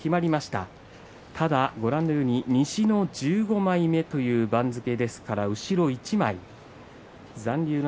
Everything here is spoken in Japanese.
ただ、ご覧のように西の１５枚目という番付ですから後ろが一枚です。